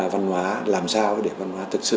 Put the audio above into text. văn hóa làm sao để văn hóa thực sự